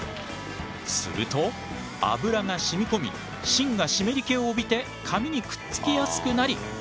すると油がしみ込み芯が湿り気を帯びて紙にくっつきやすくなり